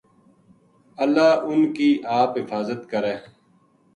اللہ اِنھ کی آپ حفاظت کرے